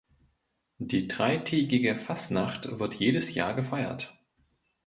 Die dreitägige Fasnacht wird jedes Jahr gefeiert.